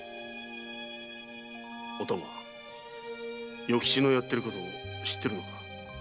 お玉与吉のやってること知ってるのか？